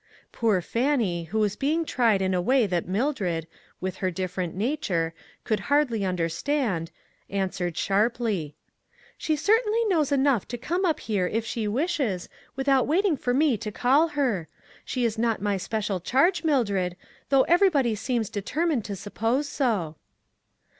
Poor Fannie, who was being tried in a 88 ONE COMMONPLACE DAY. way that Mildred, with her different nature, could hardly understand, answered sharply :" She certainly knows enough to come up here, if she wishes, without waiting for me to call her ; she is not my special charge, Mildred, though everybody seems de termined to suppose so".